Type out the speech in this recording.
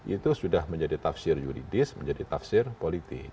itu sudah menjadi tafsir yuridis menjadi tafsir politik